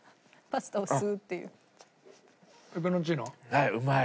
はいうまい。